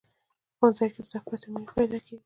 ښوونځی کې زده کړې ته مینه پیدا کېږي